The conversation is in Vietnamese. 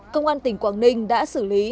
công an tỉnh quảng ninh đã xử lý